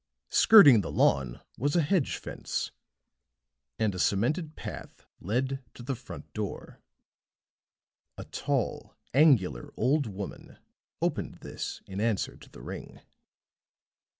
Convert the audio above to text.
Skirting the lawn was a hedge fence; and a cemented path led to the front door. A tall, angular old woman opened this in answer to the ring.